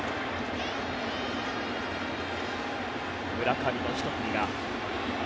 村上のひと振りが。